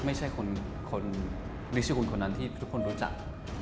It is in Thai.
นี่คือนิชย์ของคนนั้นที่ทุกคนรู้จัก